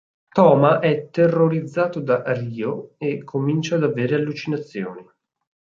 Toma è terrorizzato da Ryo e comincia ad avere allucinazioni.